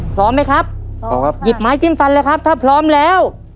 พร้อมไหมครับพร้อมครับหยิบไม้จิ้มฟันเลยครับถ้าพร้อมแล้ว